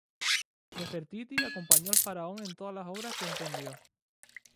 Nefertiti acompañó al faraón en todas las obras que emprendió.